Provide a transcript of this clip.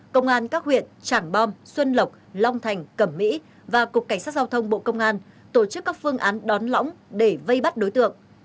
công an các huyện trảng bom xuân lọc long thành cẩm mỹ và cục cảnh sát giao thông bộ công an tổ chức các phương án đón lõng để vây bắt đối tượng